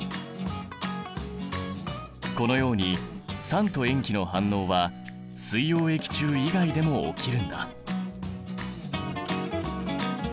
このように酸と塩基の反応は水溶液中以外でも起きるんだ。